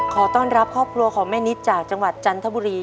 ขอต้อนรับครอบครัวของแม่นิดจากจังหวัดจันทบุรี